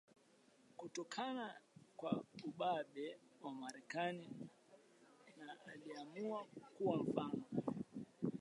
Kutoka kwa ubabe wa Marekani na Aliamua kuwa mfano